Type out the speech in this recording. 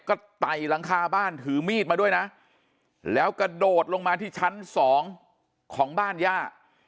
ก็ไต่หลังคาบ้านถือมีดมาด้วยนะแล้วกระโดดลงมาที่ชั้นสองของบ้านย่า